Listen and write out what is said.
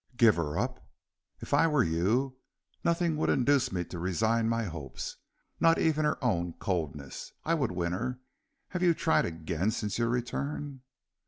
"Give her up?" "If I were you, nothing would induce me to resign my hopes, not even her own coldness. I would win her. Have you tried again since your return?"